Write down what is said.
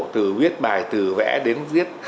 từ viết bài từ vẽ đến viết